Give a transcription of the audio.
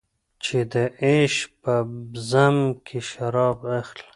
چې د عیش په بزم کې شراب اخلې.